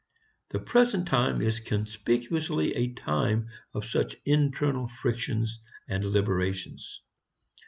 The present time is conspicuously a time of such internal frictions and liberations.